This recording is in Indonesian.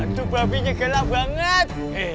aduh babinya gelap banget